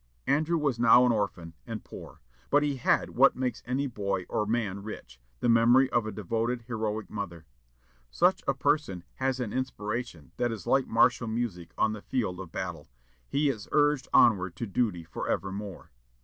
Andrew was now an orphan, and poor; but he had what makes any boy or man rich, the memory of a devoted, heroic mother. Such a person has an inspiration that is like martial music on the field of battle; he is urged onward to duty forevermore.